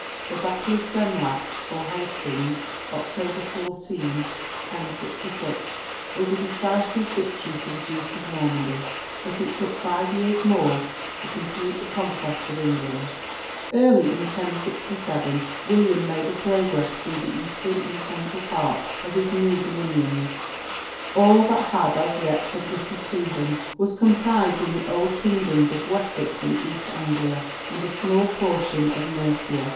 The battle of Senlac or Hastings (October 14, 1066), was a decisive victory for the Duke of Normandy; but it took five years more to complete the conquest of England. Early in 1067 William made a progress through the eastern and central parts of his new dominions. All that had as yet submitted to him was comprised in the old kingdoms of Wessex and East Anglia, and a small portion of Mercia.